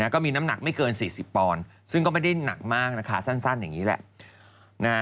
ก็มีน้ำหนักไม่เกิน๔๐ปอนด์ซึ่งก็ไม่ได้หนักมากนะคะสั้นอย่างนี้แหละ